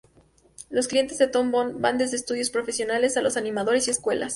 Los clientes de Toon Boom van desde estudios profesionales, a los animadores y escuelas.